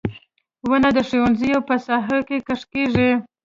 • ونه د ښوونځیو په ساحو کې کښت کیږي.